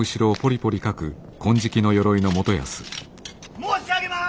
申し上げます！